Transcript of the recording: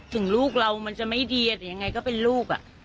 ถึงลูกเรามันจะไม่ดีแต่ยังไงก็เป็นลูก